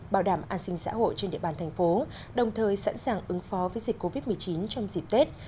bảo đảm an sinh xã hội trên địa bàn thành phố đồng thời sẵn sàng ứng phó với dịch covid một mươi chín trong dịp tết